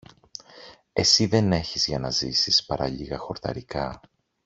Εσύ δεν έχεις για να ζήσεις παρά λίγα χορταρικά